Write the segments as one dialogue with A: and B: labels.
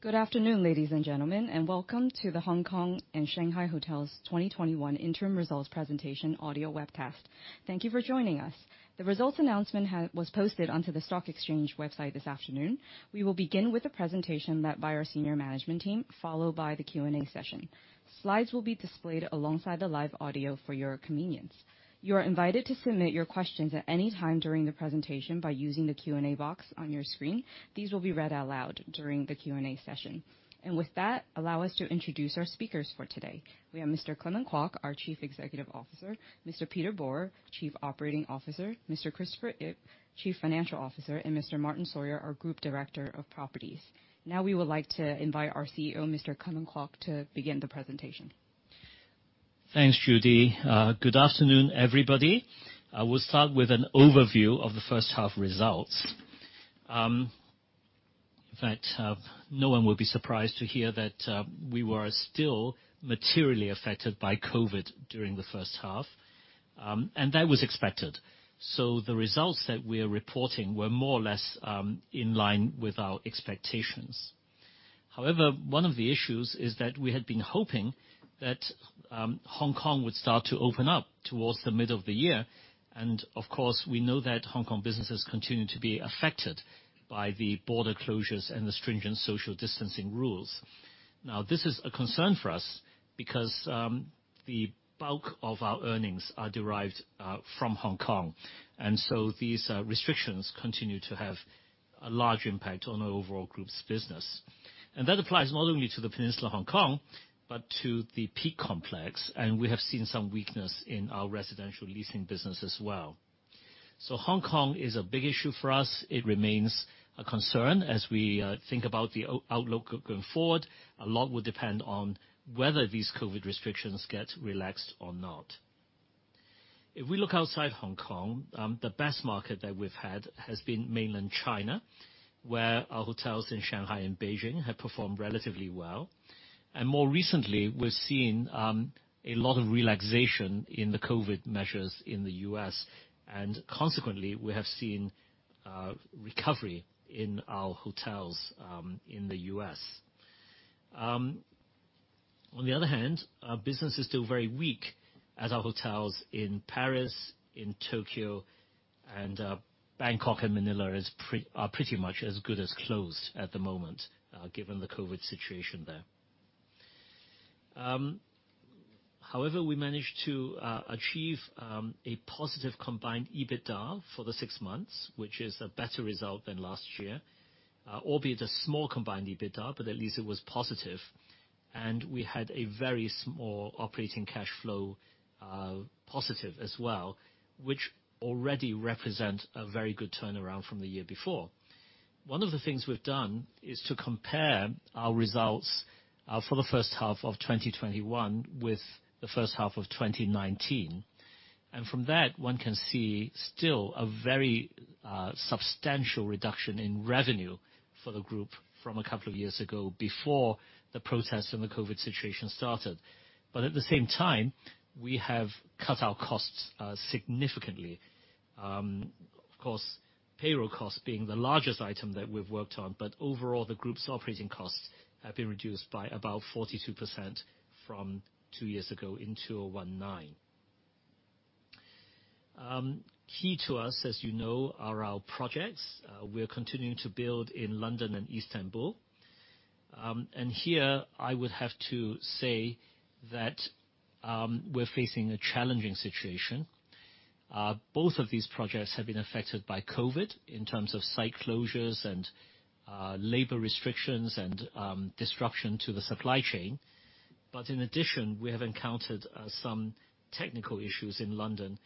A: Good afternoon, ladies and gentlemen, and welcome to The Hongkong and Shanghai Hotels 2021 Interim Results Presentation audio webcast. Thank you for joining us. The results announcement was posted onto the stock exchange website this afternoon. We will begin with a presentation led by our senior management team, followed by the Q&A session. Slides will be displayed alongside the live audio for your convenience. You are invited to submit your questions at any time during the presentation by using the Q&A box on your screen. These will be read out loud during the Q&A session. With that, allow us to introduce our speakers for today. We have Mr. Clement Kwok, our Chief Executive Officer, Mr. Peter Borer, Chief Operating Officer, Mr. Christopher Ip, Chief Financial Officer, and Mr. Martyn Sawyer, our Group Director of Properties. Now we would like to invite our CEO, Mr. Clement Kwok, to begin the presentation.
B: Thanks, Judy. Good afternoon, everybody. I will start with an overview of the first half results. In fact, no one will be surprised to hear that we were still materially affected by COVID during the first half, and that was expected. The results that we're reporting were more or less in line with our expectations. One of the issues is that we had been hoping that Hong Kong would start to open up towards the middle of the year, and of course, we know that Hong Kong businesses continue to be affected by the border closures and the stringent social distancing rules. This is a concern for us because the bulk of our earnings are derived from Hong Kong. These restrictions continue to have a large impact on our overall group's business. That applies not only to the Peninsula Hong Kong, but to The Peak Complex, and we have seen some weakness in our residential leasing business as well. Hong Kong is a big issue for us. It remains a concern as we think about the outlook going forward. A lot will depend on whether these COVID restrictions get relaxed or not. If we look outside Hong Kong, the best market that we've had has been mainland China, where our hotels in Shanghai and Beijing have performed relatively well. More recently, we've seen a lot of relaxation in the COVID measures in the U.S., and consequently, we have seen recovery in our hotels in the U.S. Business is still very weak at our hotels in Paris, in Tokyo, and Bangkok and Manila are pretty much as good as closed at the moment given the COVID situation there. We managed to achieve a positive combined EBITDA for the six months, which is a better result than last year, albeit a small combined EBITDA, but at least it was positive. We had a very small operating cash flow positive as well, which already represents a very good turnaround from the year before. One of the things we’ve done is to compare our results for the first half of 2021 with the first half of 2019. From that, one can see still a very substantial reduction in revenue for the group from a couple of years ago, before the protests and the COVID situation started. At the same time, we have cut our costs significantly. Of course, payroll costs being the largest item that we've worked on, but overall, the group's operating costs have been reduced by about 42% from two years ago in 2019. Key to us, as you know, are our projects. We're continuing to build in London and Istanbul. Here I would have to say that we're facing a challenging situation. Both of these projects have been affected by COVID in terms of site closures and labor restrictions and disruption to the supply chain. In addition, we have encountered some technical issues in London,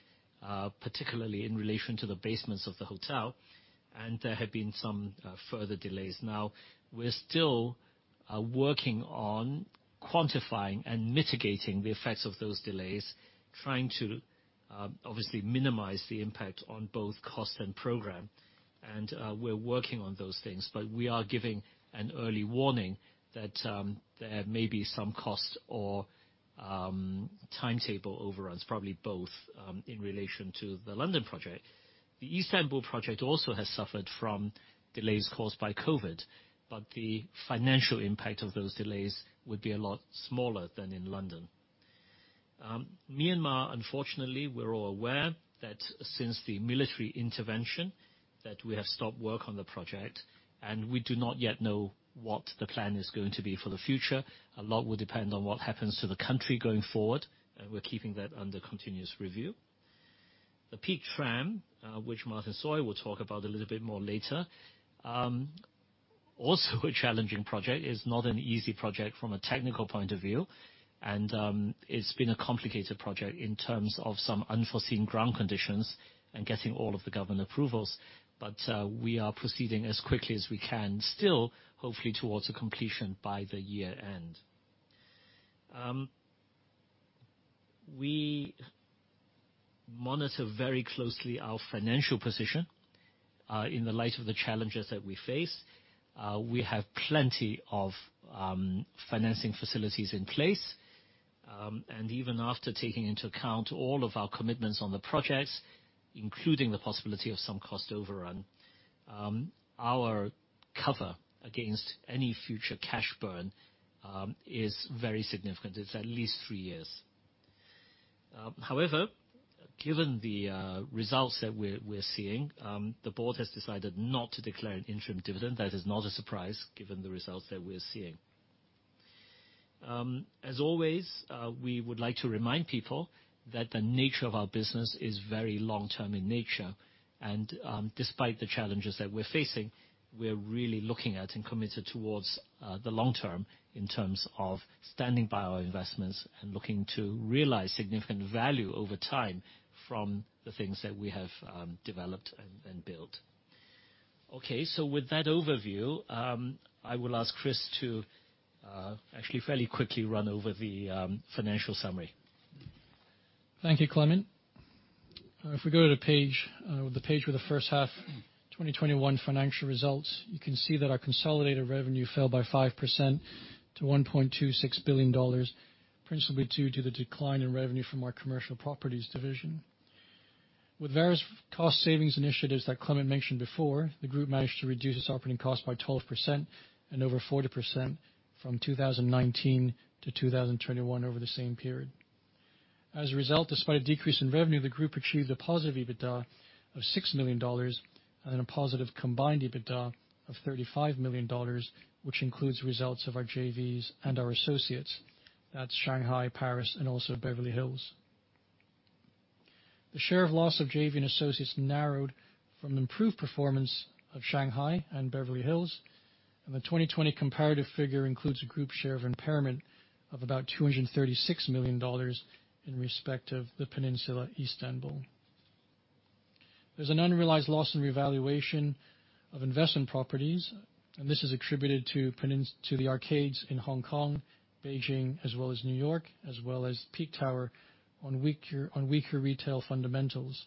B: particularly in relation to the basements of the hotel, and there have been some further delays. Now, we're still working on quantifying and mitigating the effects of those delays, trying to obviously minimize the impact on both cost and program. We're working on those things, but we are giving an early warning that there may be some cost or timetable overruns, probably both, in relation to The Peninsula London project. The Peninsula Istanbul project also has suffered from delays caused by COVID, but the financial impact of those delays would be a lot smaller than in London. Myanmar, unfortunately, we're all aware that since the military intervention, that we have stopped work on the project, and we do not yet know what the plan is going to be for the future. A lot will depend on what happens to the country going forward. We're keeping that under continuous review. The Peak Tram, which Martyn Sawyer will talk about a little bit more later, also a challenging project. It's not an easy project from a technical point of view, and it's been a complicated project in terms of some unforeseen ground conditions and getting all of the government approvals. We are proceeding as quickly as we can, still hopefully towards a completion by the year-end. We monitor very closely our financial position in the light of the challenges that we face. We have plenty of financing facilities in place, and even after taking into account all of our commitments on the projects, including the possibility of some cost overrun, our cover against any future cash burn is very significant. It's at least three years. However, given the results that we're seeing, the board has decided not to declare an interim dividend. That is not a surprise given the results that we're seeing. As always, we would like to remind people that the nature of our business is very long-term in nature, despite the challenges that we're facing, we're really looking at and committed towards the long-term in terms of standing by our investments and looking to realize significant value over time from the things that we have developed and built. Okay, with that overview, I will ask Chris to actually fairly quickly run over the financial summary.
C: Thank you, Clement. If we go to the page with the first half 2021 financial results, you can see that our consolidated revenue fell by 5% to 1.26 billion dollars, principally due to the decline in revenue from our commercial properties division. With various cost savings initiatives that Clement mentioned before, the group managed to reduce its operating cost by 12% and over 40% from 2019 to 2021 over the same period. As a result, despite a decrease in revenue, the group achieved a positive EBITDA of 6 million dollars and a positive combined EBITDA of 35 million dollars, which includes results of our JVs and our associates. That is The Peninsula Shanghai, The Peninsula Paris, and also The Peninsula Beverly Hills. The share of loss of JV and associates narrowed from improved performance of The Peninsula Shanghai and The Peninsula Beverly Hills. The 2020 comparative figure includes a group share of impairment of about 236 million dollars in respect of The Peninsula Istanbul. There's an unrealized loss in revaluation of investment properties. This is attributed to the arcades in Hong Kong, Beijing, as well as New York, as well as Peak Tower on weaker retail fundamentals.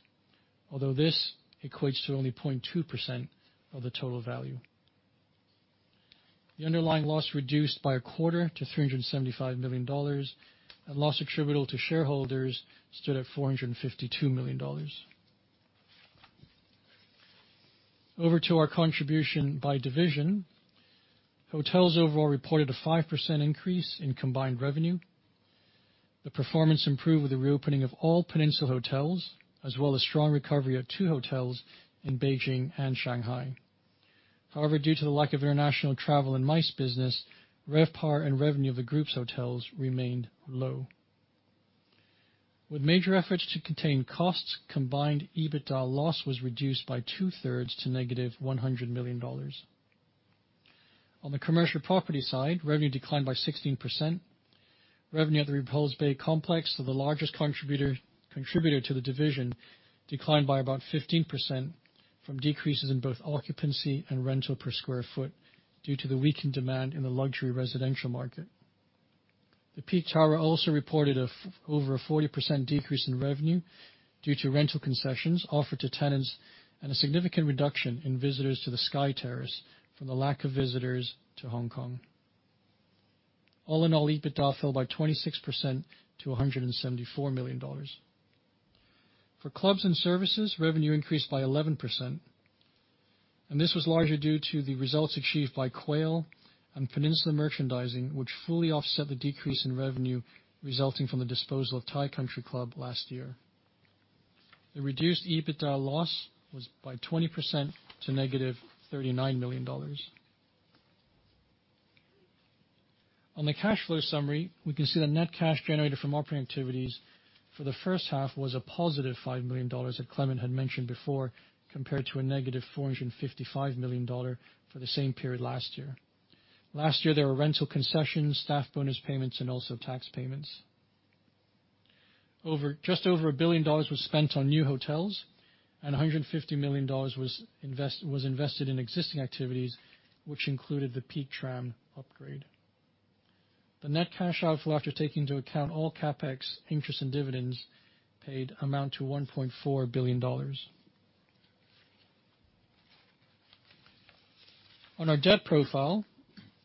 C: Although this equates to only 0.2% of the total value. The underlying loss reduced by a quarter to 375 million dollars. Loss attributable to shareholders stood at 452 million dollars. Over to our contribution by division. Hotels overall reported a 5% increase in combined revenue. The performance improved with the reopening of all The Peninsula Hotels, as well as strong recovery of two hotels in Beijing and Shanghai. Due to the lack of international travel and MICE business, RevPAR and revenue of the group's hotels remained low. With major efforts to contain costs, combined EBITDA loss was reduced by two-thirds to negative 100 million dollars. On the commercial property side, revenue declined by 16%. Revenue at The Repulse Bay Complex, the largest contributor to the division, declined by about 15% from decreases in both occupancy and rental per sq ft due to the weakened demand in the luxury residential market. The Peak Tower also reported over a 40% decrease in revenue due to rental concessions offered to tenants and a significant reduction in visitors to the Sky Terrace from the lack of visitors to Hong Kong. All in all, EBITDA fell by 26% to 174 million dollars. For clubs and services, revenue increased by 11%, and this was largely due to the results achieved by Quail and Peninsula Merchandising, which fully offset the decrease in revenue resulting from the disposal of Thai Country Club last year. The reduced EBITDA loss was by 20% to negative 39 million dollars. On the cash flow summary, we can see the net cash generated from operating activities for the first half was a positive 5 million dollars that Clement had mentioned before, compared to a negative 455 million dollar for the same period last year. Last year, there were rental concessions, staff bonus payments and also tax payments. Just over 1 billion dollars was spent on new hotels, and 150 million dollars was invested in existing activities, which included the Peak Tram upgrade. The net cash outflow, after taking into account all CapEx interest and dividends paid, amount to 1.4 billion dollars. On our debt profile,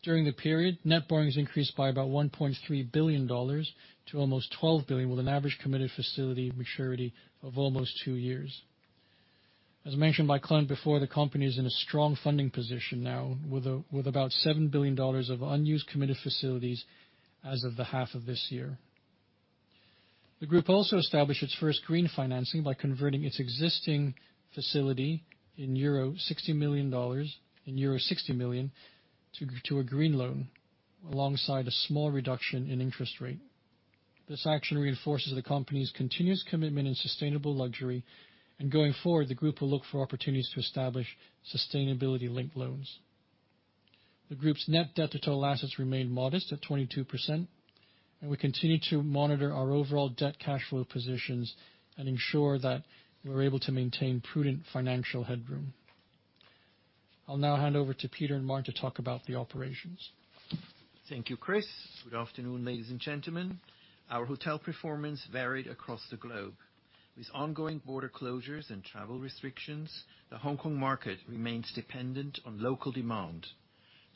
C: during the period, net borrowings increased by about 1.3 billion dollars to almost 12 billion, with an average committed facility maturity of almost two years. As mentioned by Clement before, the company is in a strong funding position now with about 7 billion dollars of unused committed facilities as of the half of this year. The group also established its first green financing by converting its existing facility in euro 60 million to a green loan alongside a small reduction in interest rate. This action reinforces the company's continuous commitment in sustainable luxury, and going forward, the group will look for opportunities to establish sustainability-linked loans. The group's net debt to total assets remained modest at 22%, and we continue to monitor our overall debt cash flow positions and ensure that we're able to maintain prudent financial headroom. I'll now hand over to Peter and Mart to talk about the operations.
D: Thank you, Chris. Good afternoon, ladies and gentlemen. Our hotel performance varied across the globe. With ongoing border closures and travel restrictions, the Hong Kong market remains dependent on local demand.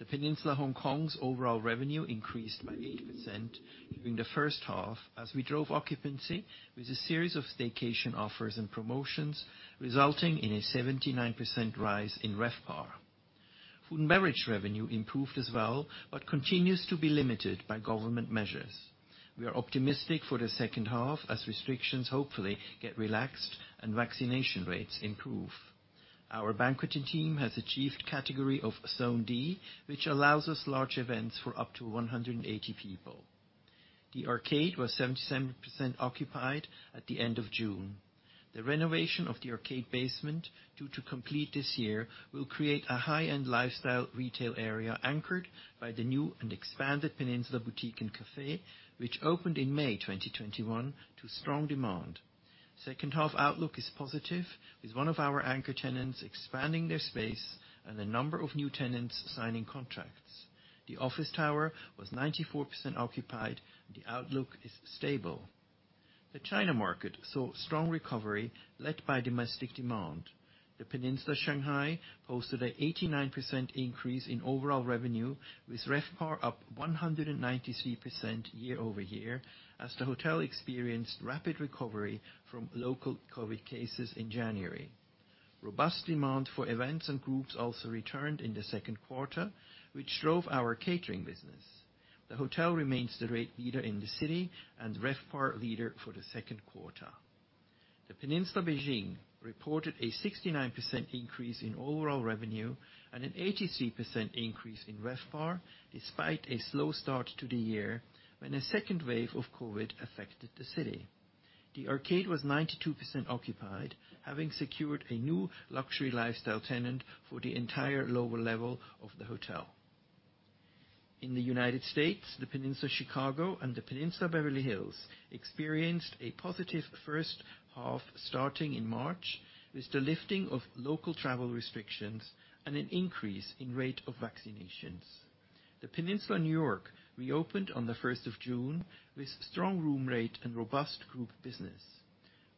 D: The Peninsula Hong Kong's overall revenue increased by 8% during the first half as we drove occupancy with a series of staycation offers and promotions, resulting in a 79% rise in RevPAR. Food and beverage revenue improved as well, but continues to be limited by government measures. We are optimistic for the second half as restrictions hopefully get relaxed and vaccination rates improve. Our banqueting team has achieved category of Zone D, which allows us large events for up to 180 people. The Arcade was 77% occupied at the end of June. The renovation of the Arcade basement, due to complete this year, will create a high-end lifestyle retail area anchored by the new and expanded Peninsula Boutique & Café, which opened in May 2021 to strong demand. Second half outlook is positive, with one of our anchor tenants expanding their space and a number of new tenants signing contracts. The office tower was 94% occupied. The outlook is stable. The China market saw strong recovery led by domestic demand. The Peninsula Shanghai posted a 89% increase in overall revenue, with RevPAR up 193% year-over-year as the hotel experienced rapid recovery from local COVID cases in January. Robust demand for events and groups also returned in the second quarter, which drove our catering business. The hotel remains the rate leader in the city and RevPAR leader for the second quarter. The Peninsula Beijing reported a 69% increase in overall revenue and an 83% increase in RevPAR, despite a slow start to the year when a second wave of COVID affected the city. The Arcade was 92% occupied, having secured a new luxury lifestyle tenant for the entire lower level of the hotel. In the U.S., The Peninsula Chicago and The Peninsula Beverly Hills experienced a positive first half starting in March, with the lifting of local travel restrictions and an increase in rate of vaccinations. The Peninsula New York reopened on the 1st of June with strong room rate and robust group business.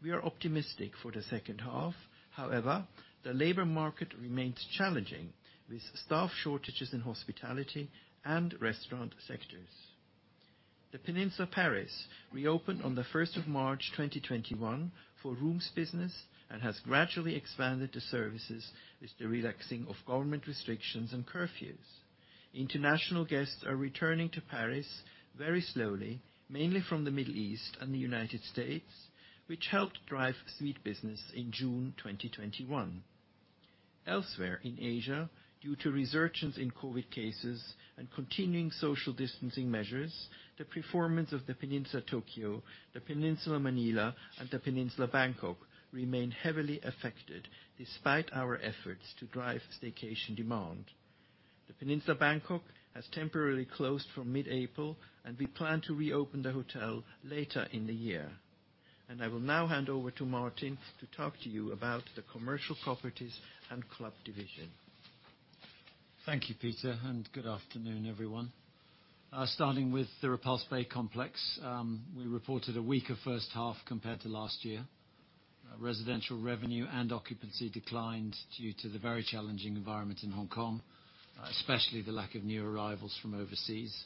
D: We are optimistic for the second half. However, the labor market remains challenging, with staff shortages in hospitality and restaurant sectors. The Peninsula Paris reopened on the 1st of March 2021 for rooms business and has gradually expanded to services with the relaxing of government restrictions and curfews. International guests are returning to Paris very slowly, mainly from the Middle East and the U.S., which helped drive suite business in June 2021. Elsewhere in Asia, due to resurgence in COVID cases and continuing social distancing measures, the performance of The Peninsula Tokyo, The Peninsula Manila and The Peninsula Bangkok remain heavily affected despite our efforts to drive staycation demand. The Peninsula Bangkok has temporarily closed from mid-April, and we plan to reopen the hotel later in the year. I will now hand over to Martyn to talk to you about the commercial properties and club division.
E: Thank you, Peter, and good afternoon, everyone. Starting with The Repulse Bay Complex, we reported a weaker first half compared to last year. Residential revenue and occupancy declined due to the very challenging environment in Hong Kong, especially the lack of new arrivals from overseas.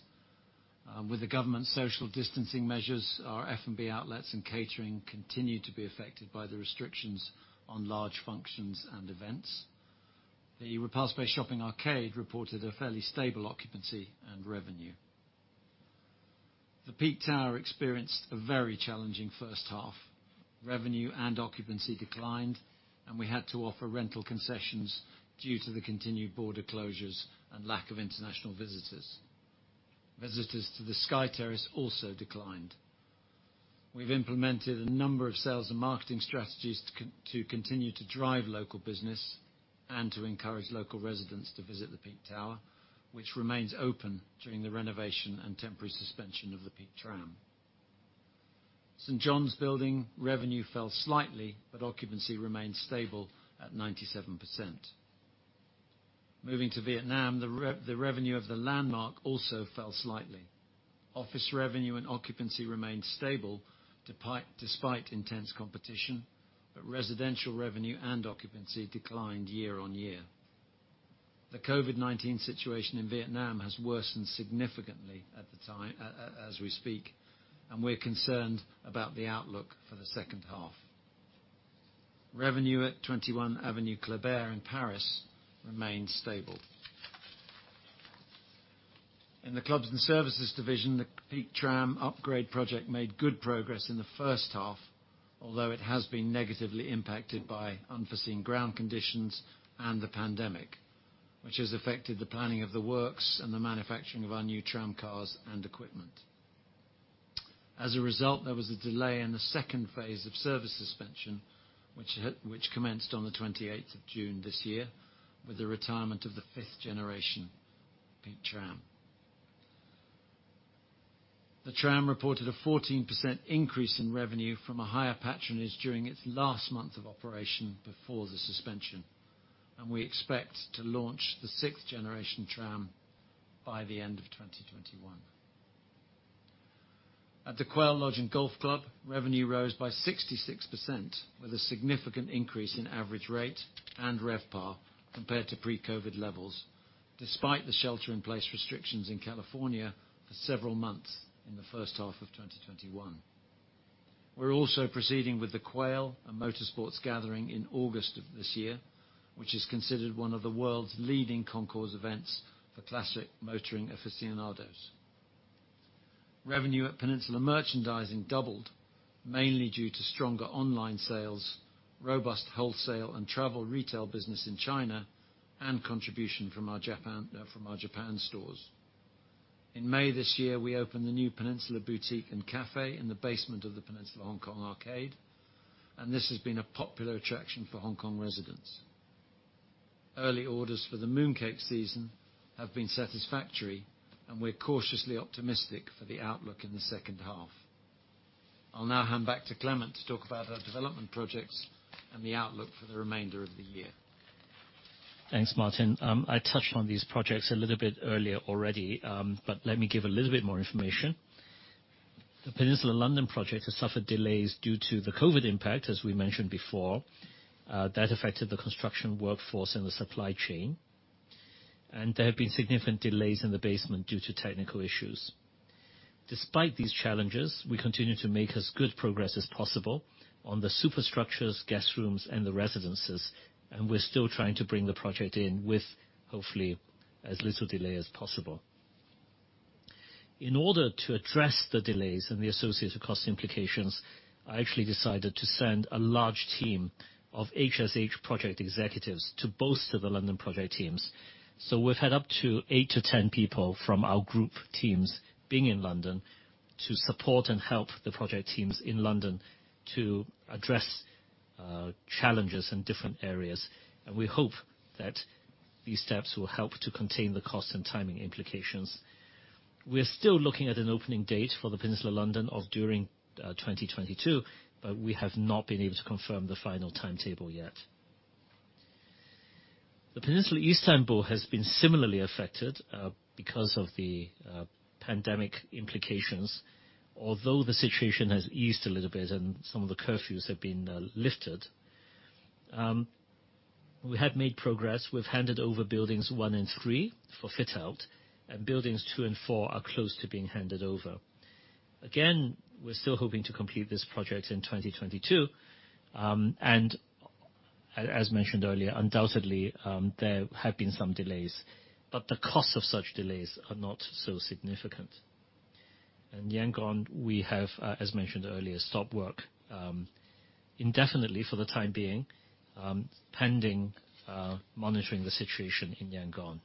E: With the government social distancing measures, our F&B outlets and catering continued to be affected by the restrictions on large functions and events. The Repulse Bay Shopping Arcade reported a fairly stable occupancy and revenue. The Peak Tower experienced a very challenging first half. Revenue and occupancy declined, and we had to offer rental concessions due to the continued border closures and lack of international visitors. Visitors to the Sky Terrace also declined. We've implemented a number of sales and marketing strategies to continue to drive local business and to encourage local residents to visit the Peak Tower, which remains open during the renovation and temporary suspension of the Peak Tram. St. John's Building revenue fell slightly, but occupancy remained stable at 97%. Moving to Vietnam, the revenue of The Landmark also fell slightly. Office revenue and occupancy remained stable despite intense competition, but residential revenue and occupancy declined year-on-year. The COVID-19 situation in Vietnam has worsened significantly as we speak, and we're concerned about the outlook for the second half. Revenue at 21 Avenue Kléber in Paris remained stable. In the Clubs and Services division, the Peak Tram upgrade project made good progress in the first half, although it has been negatively impacted by unforeseen ground conditions and the pandemic, which has affected the planning of the works and the manufacturing of our new tramcars and equipment. As a result, there was a delay in the second phase of service suspension, which commenced on the 28th of June this year with the retirement of the fifth generation Peak Tram. The Peak Tram reported a 14% increase in revenue from a higher patronage during its last month of operation before the suspension, and we expect to launch the sixth generation tram by the end of 2021. At the Quail Lodge & Golf Club, revenue rose by 66%, with a significant increase in average rate and RevPAR compared to pre-COVID levels, despite the shelter-in-place restrictions in California for several months in the first half of 2021. We're also proceeding with The Quail, a motorsports gathering in August of this year, which is considered one of the world's leading concours events for classic motoring aficionados. Revenue at Peninsula Merchandising doubled, mainly due to stronger online sales, robust wholesale and travel retail business in China, and contribution from our Japan stores. In May this year, we opened the new The Peninsula Boutique & Café in the basement of The Peninsula Arcade, and this has been a popular attraction for Hong Kong residents. Early orders for the mooncake season have been satisfactory, and we're cautiously optimistic for the outlook in the second half. I'll now hand back to Clement to talk about our development projects and the outlook for the remainder of the year.
B: Thanks, Martyn. I touched on these projects a little bit earlier already, but let me give a little bit more information. The Peninsula London project has suffered delays due to the COVID impact, as we mentioned before, that affected the construction workforce and the supply chain. There have been significant delays in the basement due to technical issues. Despite these challenges, we continue to make as good progress as possible on the superstructures, guest rooms, and the residences, and we're still trying to bring the project in with, hopefully, as little delay as possible. In order to address the delays and the associated cost implications, I actually decided to send a large team of HSH project executives to both of the London project teams. We've had up to 8-10 people from our group teams being in London to support and help the project teams in London to address challenges in different areas, and we hope that these steps will help to contain the cost and timing implications. We are still looking at an opening date for The Peninsula London of during 2022, but we have not been able to confirm the final timetable yet. The Peninsula Istanbul has been similarly affected because of the pandemic implications. Although the situation has eased a little bit and some of the curfews have been lifted. We have made progress. We've handed over buildings 1 and 3 for fit-out, and buildings 2 and 4 are close to being handed over. Again, we're still hoping to complete this project in 2022. As mentioned earlier, undoubtedly, there have been some delays. The cost of such delays are not so significant. In Yangon, we have, as mentioned earlier, stopped work indefinitely for the time being, pending monitoring the situation in Yangon.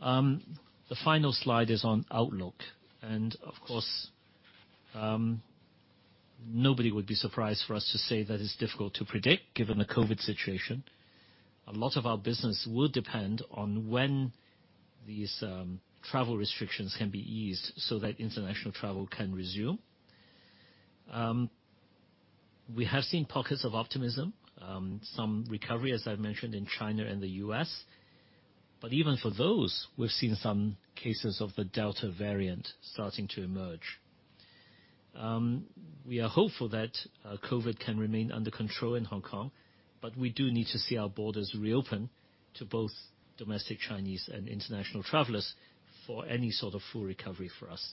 B: The final slide is on outlook. Of course, nobody would be surprised for us to say that it's difficult to predict given the COVID situation. A lot of our business will depend on when these travel restrictions can be eased so that international travel can resume. We have seen pockets of optimism. Some recovery, as I've mentioned, in China and the U.S. Even for those, we've seen some cases of the Delta variant starting to emerge. We are hopeful that COVID can remain under control in Hong Kong, we do need to see our borders reopen to both domestic Chinese and international travelers for any sort of full recovery for us.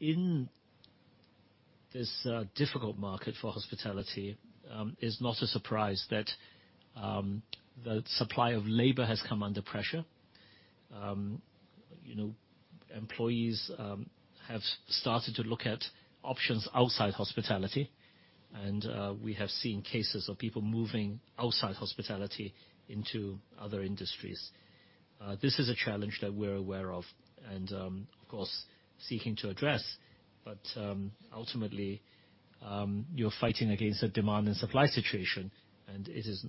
B: In this difficult market for hospitality, it's not a surprise that the supply of labor has come under pressure. Employees have started to look at options outside hospitality, and we have seen cases of people moving outside hospitality into other industries. This is a challenge that we're aware of and, of course, seeking to address. Ultimately, you're fighting against a demand and supply situation, and it is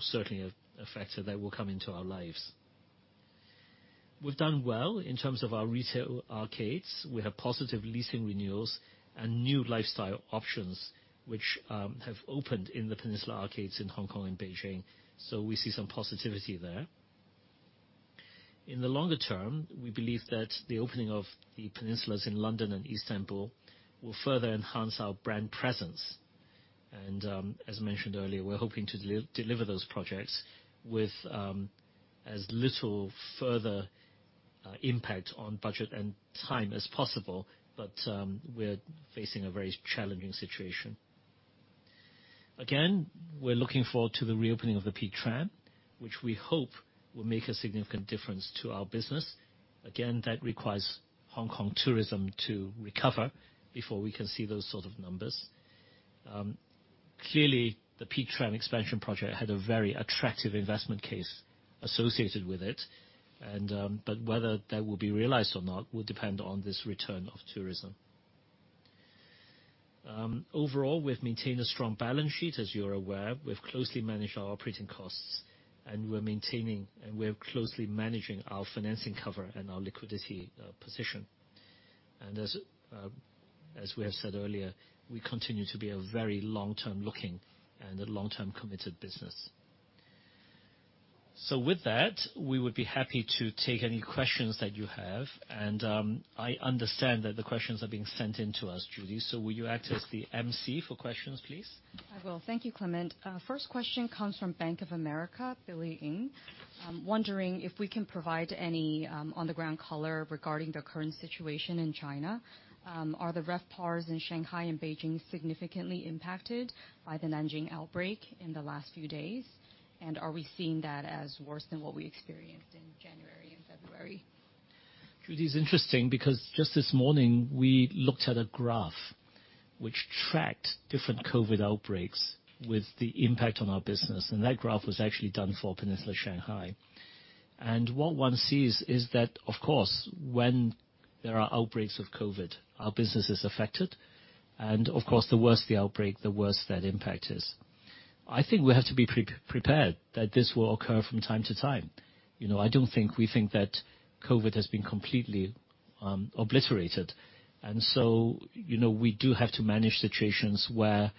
B: certainly a factor that will come into our lives. We've done well in terms of our retail arcades, we have positive leasing renewals and new lifestyle options, which have opened in the Peninsula Arcades in Hong Kong and Beijing. We see some positivity there. In the longer term, we believe that the opening of The Peninsulas in London and Istanbul will further enhance our brand presence. As mentioned earlier, we're hoping to deliver those projects with as little further impact on budget and time as possible, but we're facing a very challenging situation. Again, we're looking forward to the reopening of the Peak Tram, which we hope will make a significant difference to our business. Again, that requires Hong Kong tourism to recover before we can see those sort of numbers. Clearly, the Peak Tram expansion project had a very attractive investment case associated with it. Whether that will be realized or not will depend on this return of tourism. Overall, we've maintained a strong balance sheet, as you're aware. We've closely managed our operating costs, and we're closely managing our financing cover and our liquidity position. As we have said earlier, we continue to be a very long-term looking and a long-term committed business. With that, we would be happy to take any questions that you have. I understand that the questions are being sent in to us, Judy. Will you act as the emcee for questions, please?
A: I will. Thank you, Clement. First question comes from Bank of America, Billy Ng. Wondering if we can provide any on-the-ground color regarding the current situation in China. Are the RevPARs in Shanghai and Beijing significantly impacted by the Nanjing outbreak in the last few days? Are we seeing that as worse than what we experienced in January and February?
B: Judy, it's interesting because just this morning we looked at a graph which tracked different COVID outbreaks with the impact on our business, and that graph was actually done for Peninsula Shanghai. What one sees is that, of course, when there are outbreaks of COVID, our business is affected. Of course, the worse the outbreak, the worse that impact is. I think we have to be prepared that this will occur from time to time. I don't think we think that COVID has been completely obliterated. We do have to manage situations where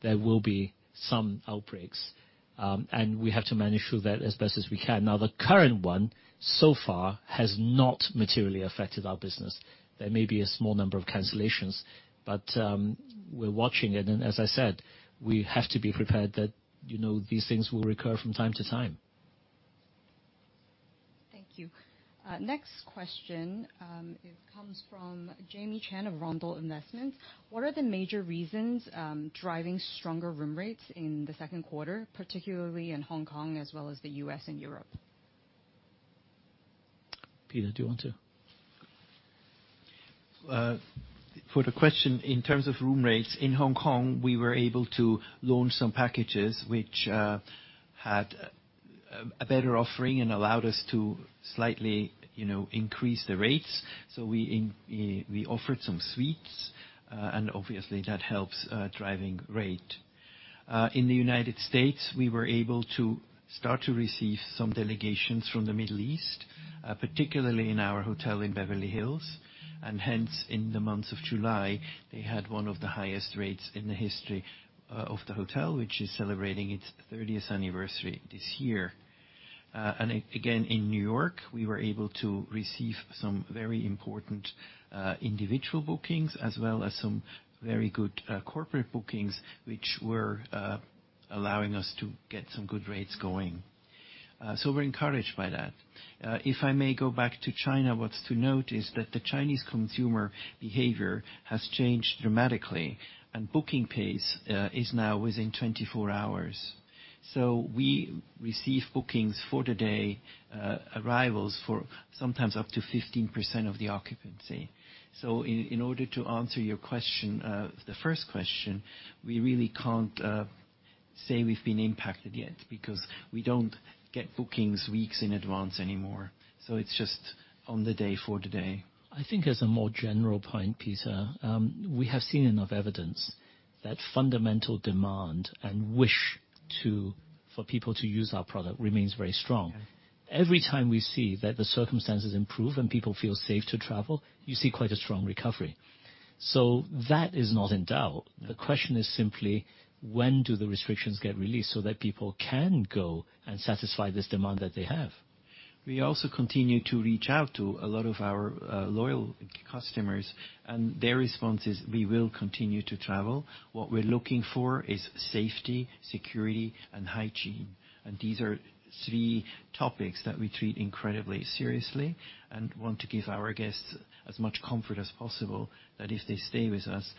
B: there will be some outbreaks. We have to manage through that as best as we can. Now, the current one, so far, has not materially affected our business. There may be a small number of cancellations. We're watching it, and as I said, we have to be prepared that these things will recur from time to time.
A: Thank you. Next question, it comes from Jamie Chan of Rondal Investments. What are the major reasons driving stronger room rates in the second quarter, particularly in Hong Kong as well as the U.S. and Europe?
B: Peter, do you want to?
D: For the question in terms of room rates in Hong Kong, we were able to launch some packages which had a better offering and allowed us to slightly increase the rates. We offered some suites. Obviously, that helps driving rate. In the U.S., we were able to start to receive some delegations from the Middle East, particularly in our hotel in Beverly Hills. Hence, in the month of July, they had one of the highest rates in the history of the hotel, which is celebrating its 30th anniversary this year. Again, in New York, we were able to receive some very important individual bookings, as well as some very good corporate bookings, which were allowing us to get some good rates going. We're encouraged by that. If I may go back to China, what's to note is that the Chinese consumer behavior has changed dramatically, and booking pace is now within 24 hours. We receive bookings for the day, arrivals for sometimes up to 15% of the occupancy. In order to answer your question, the first question, we really can't say we've been impacted yet, because we don't get bookings weeks in advance anymore. It's just on the day, for today.
B: I think as a more general point, Peter, we have seen enough evidence that fundamental demand and wish for people to use our product remains very strong.
D: Yeah.
B: Every time we see that the circumstances improve and people feel safe to travel, you see quite a strong recovery, so that is not in doubt. The question is simply, when do the restrictions get released so that people can go and satisfy this demand that they have?
D: We also continue to reach out to a lot of our loyal customers, and their response is, "We will continue to travel. What we're looking for is safety, security, and hygiene." These are three topics that we treat incredibly seriously and want to give our guests as much comfort as possible, that if they stay with us,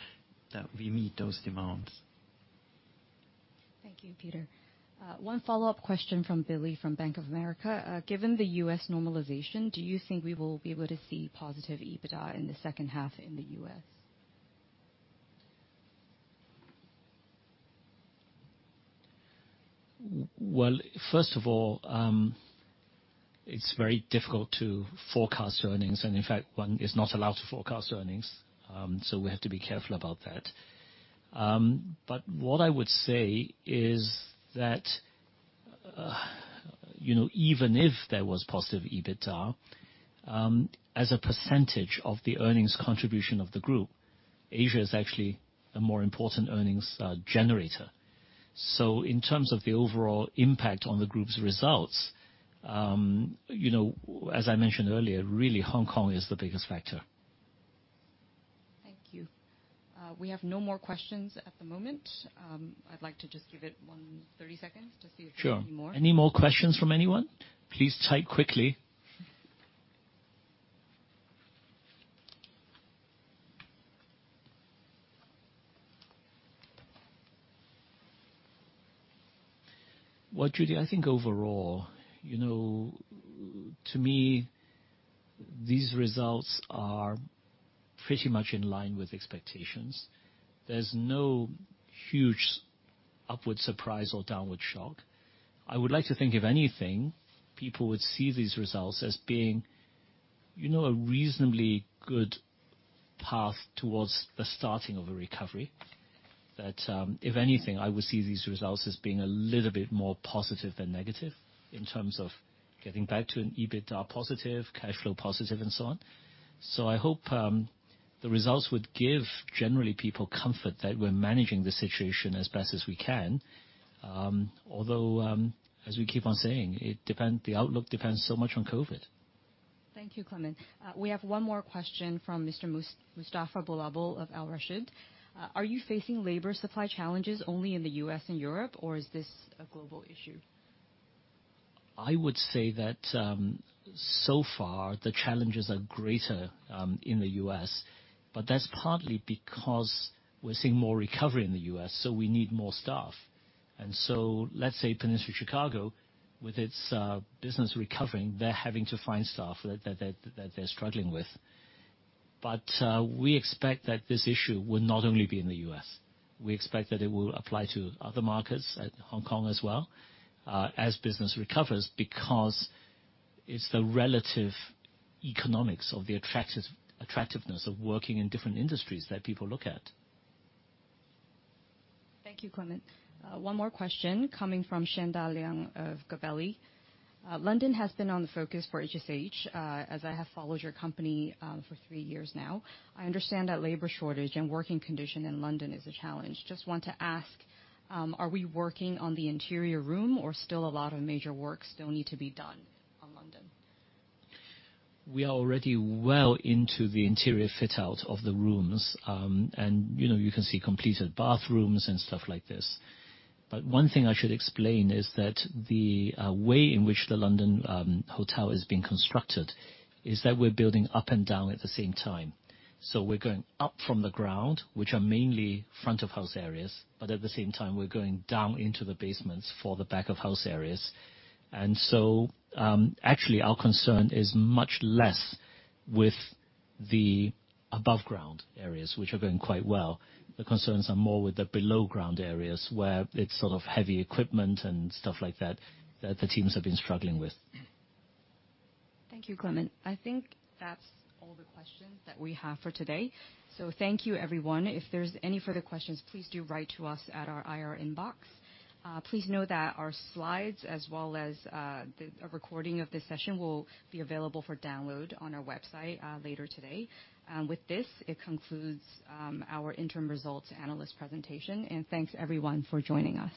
D: that we meet those demands.
A: Thank you, Peter. One follow-up question from Billy from Bank of America. Given the U.S. normalization, do you think we will be able to see positive EBITDA in the second half in the U.S.?
B: Well, first of all, it's very difficult to forecast earnings, and in fact, one is not allowed to forecast earnings. We have to be careful about that. What I would say is that, even if there was positive EBITDA, as a percentage of the earnings contribution of the group, Asia is actually a more important earnings generator. In terms of the overall impact on the group's results, as I mentioned earlier, really Hong Kong is the biggest factor.
A: Thank you. We have no more questions at the moment. I'd like to just give it 30 seconds to see if there will be more.
B: Sure. Any more questions from anyone? Please type quickly. Well, Judy, I think overall, to me, these results are pretty much in line with expectations. There's no huge upward surprise or downward shock. I would like to think, if anything, people would see these results as being a reasonably good path towards the starting of a recovery. If anything, I would see these results as being a little bit more positive than negative in terms of getting back to an EBITDA positive, cash flow positive, and so on. I hope the results would give, generally, people comfort that we're managing the situation as best as we can. Although, as we keep on saying, the outlook depends so much on COVID.
A: Thank you, Clement. We have one more question from Mr. Mustafa Boulhabel of Al-Rashid. Are you facing labor supply challenges only in the U.S. and Europe, or is this a global issue?
B: I would say that so far the challenges are greater in the U.S, but that's partly because we're seeing more recovery in the U.S. We need more staff. Let's say The Peninsula Chicago, with its business recovering, they're having to find staff that they're struggling with. We expect that this issue will not only be in the U.S. We expect that it will apply to other markets, like Hong Kong as well, as business recovers, because it's the relative economics of the attractiveness of working in different industries that people look at.
A: Thank you, Clement. One more question coming from Sheng-da Liang of Gabelli. London has been on the focus for HSH, as I have followed your company for three years now. I understand that labor shortage and working condition in London is a challenge. Just want to ask, are we working on the interior room, or still a lot of major work still need to be done on London?
B: We are already well into the interior fit-out of the rooms, and you can see completed bathrooms and stuff like this. One thing I should explain is that the way in which the London hotel is being constructed is that we're building up and down at the same time. We're going up from the ground, which are mainly front of house areas, but at the same time we're going down into the basements for the back of house areas. Actually, our concern is much less with the above ground areas, which are going quite well. The concerns are more with the below ground areas, where it's sort of heavy equipment and stuff like that the teams have been struggling with.
A: Thank you, Clement. I think that's all the questions that we have for today. Thank you, everyone, if there's any further questions, please do write to us at our IR inbox. Please know that our slides as well as a recording of this session will be available for download on our website later today. With this, it concludes our interim results analyst presentation, and thanks, everyone, for joining us.